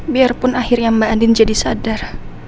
biarpun akhirnya mbak andin jadi sadar